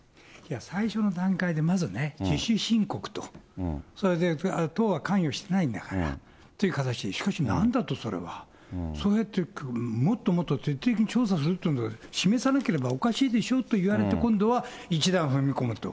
最初の段階でまずね、自主申告と、それで党は関与してないんだからという形、しかしなんだとそれは、そうやってもっともっと徹底的に調査するってことを示さなければおかしいでしょと言われて、今度は一段踏み込むと。